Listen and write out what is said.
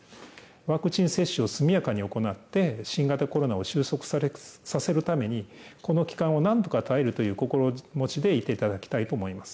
ワクチン接種を速やかに行って、新型コロナを収束させるために、この期間をなんとか耐えるという心持ちでいていただきたいと思います。